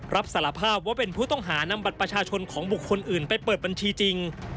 รับสารภาพว่าเป็นผู้ต้องหานำบัตรประชาชนของบุคคลอื่นไปเปิดบัญชีจริง